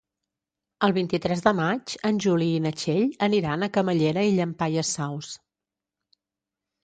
El vint-i-tres de maig en Juli i na Txell aniran a Camallera i Llampaies Saus.